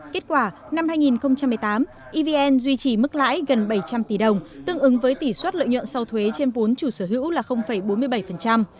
kết quả năm hai nghìn một mươi tám evn duy trì mức lãi gần bảy trăm linh tỷ đồng tương ứng với tỷ suất lợi nhuận sau thuế trên vốn chủ sở hữu là bốn mươi bảy